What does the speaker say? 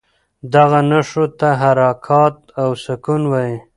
دغو نښو ته حرکات او سکون وايي.